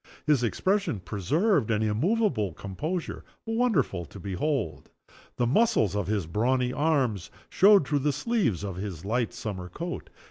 His expression preserved an immovable composure wonderful to behold. The muscles of his brawny arms showed through the sleeves of his light summer coat.